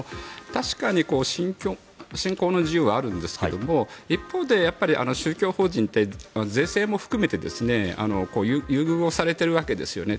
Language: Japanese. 確かに信仰の自由はあるんですけど一方で宗教法人って税制も含めて優遇をされているわけですよね。